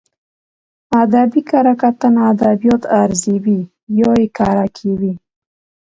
ادبي کره کتنه ادبيات ارزوي يا يې کره کوي.